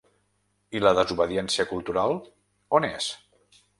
I la desobediència cultural, on és?.